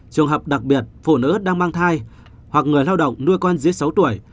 trường hợp đặc biệt phụ nữ đang mang thai hoặc người lao động nuôi con dưới sáu tuổi